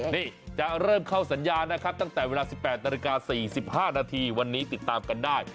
นี่จะเริ่มเข้าสัญญานะครับตั้งแต่เวลา๑๘นาฬิกา๔๕นาทีวันนี้ติดตามกันได้